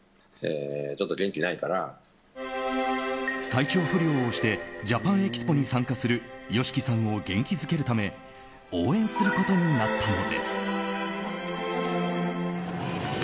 体調不良を押してＪａｐａｎＥｘｐｏに参加するＹＯＳＨＩＫＩさんを元気づけるため応援することになったのです。